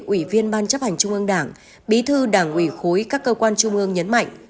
ủy viên ban chấp hành trung ương đảng bí thư đảng ủy khối các cơ quan trung ương nhấn mạnh